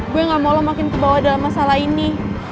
gue gak mau makin kebawa dalam masalah ini